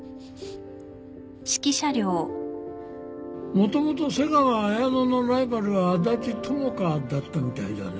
もともと瀬川綾乃のライバルは安達智花だったみたいだね。